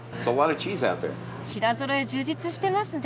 品ぞろえ充実してますね。